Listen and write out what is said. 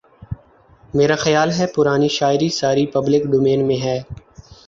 میرا خیال ہے پرانی شاعری ساری پبلک ڈومین میں ہے